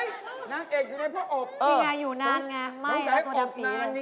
เฮ้ยนางเอกอยู่ในเพราะอบที่ไงอยู่นานไงไหม้แล้วตัวดำปีล่ะ